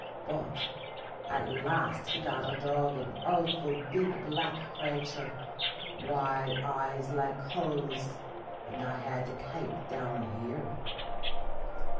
But at last he got a dog an awful big, black crater, wid eyes like coals, an' I had to kape down here.